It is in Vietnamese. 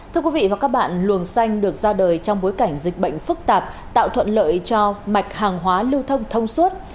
thưa quý vị và các bạn luồng xanh được ra đời trong bối cảnh dịch bệnh phức tạp tạo thuận lợi cho mạch hàng hóa lưu thông thông suốt